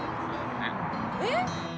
「えっ？」